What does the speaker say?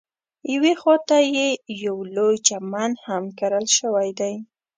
یوې خواته یې یو لوی چمن هم کرل شوی دی.